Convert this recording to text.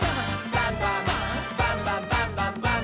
バンバン」「バンバンバンバンバンバン！」